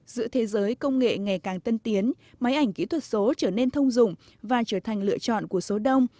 giữa thế giới công nghệ ngày càng tân tiến máy ảnh kỹ thuật số trở nên thông dụng và trở thành lựa chọn của số đông